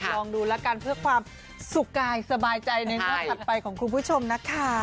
ลองดูแล้วกันเพื่อความสุขกายสบายใจในงวดถัดไปของคุณผู้ชมนะคะ